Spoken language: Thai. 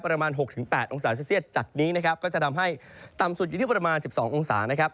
ประมาณ๖๘องศาเซลเซียตจากนี้นะครับก็จะทำให้ต่ำสุดอยู่ที่ประมาณ๑๒องศานะครับ